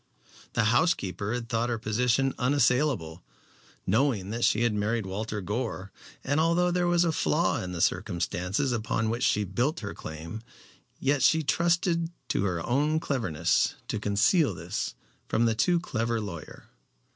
The housekeeper had thought her position unassailable, knowing that she had married Walter Gore; and although there was a flaw in the circumstances upon which she built her claim, yet she trusted to her own cleverness to conceal this from the too clever lawyer.